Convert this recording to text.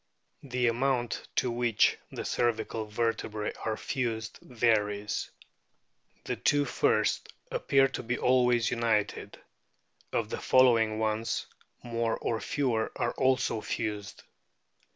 The amount to which the cervical vertebrae are fused varies. The two first appear to be always united ; of the following ones, more or fewer are also fused.